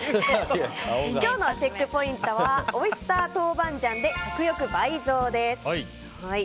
今日のチェックポイントはオイスター豆板醤で食欲倍増です。